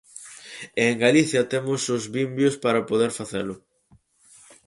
E en Galicia temos os vimbios para poder facelo.